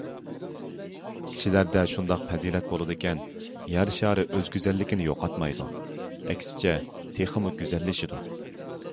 كىشىلەردە شۇنداق پەزىلەت بولىدىكەن، يەر شارى ئۆز گۈزەللىكىنى يوقاتمايدۇ، ئەكسىچە تېخىمۇ گۈزەللىشىدۇ.